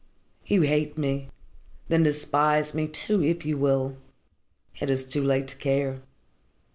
You hate me then despise me, too, if you will. It is too late to care.